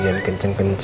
dia yang mau sendiri mas